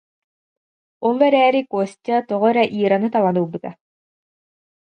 Ол эрээри Костя тоҕо эрэ Ираны талан ылбыта